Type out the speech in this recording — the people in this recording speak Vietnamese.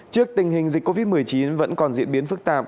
trước tình hình dịch covid một mươi chín vẫn còn diễn biến phức tạp